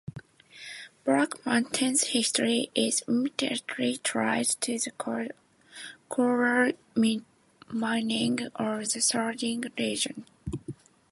Black Mountain's history is intimately tied to the coal mining of the surrounding region.